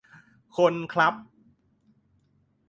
คนครับ